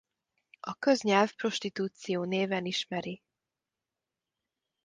A köznyelv prostitúció néven ismeri.